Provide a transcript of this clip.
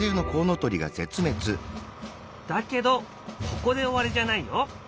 だけどここで終わりじゃないよ。